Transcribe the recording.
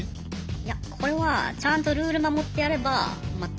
いやこれはちゃんとルール守ってやれば全く問題ないです。